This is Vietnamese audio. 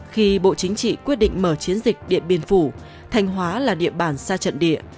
khi bộ chính trị quyết định mở chiến dịch điện biên phủ thanh hóa là địa bàn xa trận địa